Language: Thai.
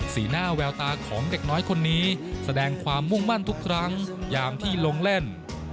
หน้าแววตาของเด็กน้อยคนนี้แสดงความมุ่งมั่นทุกครั้งยามที่ลงเล่น